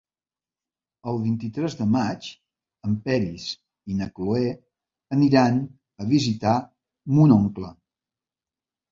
El vint-i-tres de maig en Peris i na Cloè aniran a visitar mon oncle.